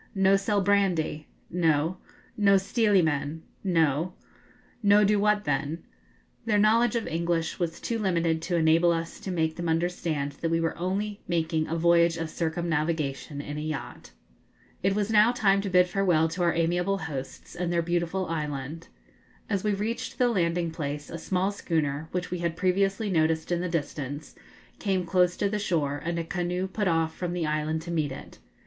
'No sell brandy?' 'No.' 'No stealy men?' 'No.' 'No do what then?' Their knowledge of English was too limited to enable us to make them understand that we were only making a voyage of circumnavigation in a yacht. It was now time to bid farewell to our amiable hosts and their beautiful island. As we reached the landing place, a small schooner, which we had previously noticed in the distance, came close to the shore, and a canoe put off from the island to meet it.